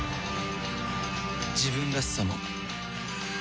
自分らしさも